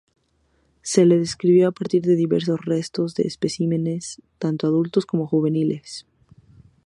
Se le describió a partir de diversos restos de especímenes tanto adultos como juveniles.